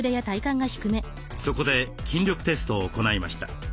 そこで筋力テストを行いました。